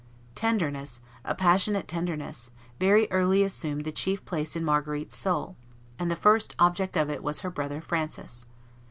Tenderness, a passionate tenderness, very early assumed the chief place in Marguerite's soul, and the first object of it was her brother Francis.